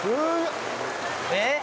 えっ？